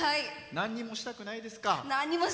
なんにもしたくないです。